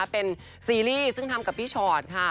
เป็นซีรีส์ซึ่งทำกับพี่ชอตค่ะ